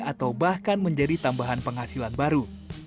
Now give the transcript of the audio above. atau bahkan menjadi tambahan penghasilan baru